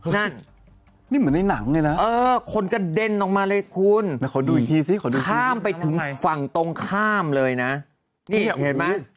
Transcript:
นี่เหมือนในหนังเลยนะคุณข้ามไปถึงฝั่งตรงข้ามเลยนะนี่เห็นมั้ย